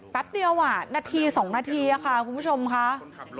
แป๊บเดียวนาที๒นาทีค่ะคุณผู้ชมค่ะ